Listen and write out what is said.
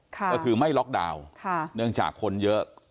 ก็คือไม่ล็อกดาวน์เนื่องจากคนเยอะ